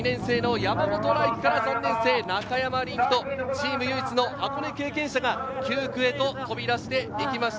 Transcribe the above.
山本羅生から中山凜斗、チーム唯一の箱根経験者が９区へと飛び出していきました。